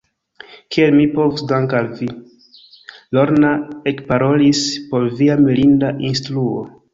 Kiel mi povus danki al vi, Lorna ekparolis, por via mirinda instruo.